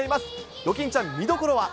ドキンちゃん、見どころは？